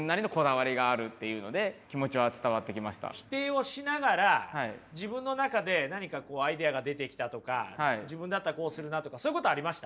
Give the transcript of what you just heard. それこそ否定をしながら自分の中で何かアイデアが出てきたとか自分だったらこうするなとかそういうことありました？